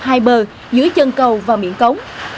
hai bờ dưới chân cầu và miệng cống